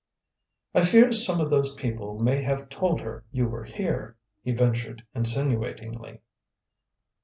"I fear some of those people may have told her you were here," he ventured insinuatingly.